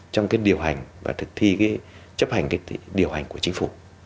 trong cái điều hành và thực thi chấp hành điều hành của chính phủ